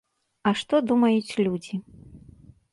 А што думаюць людзі?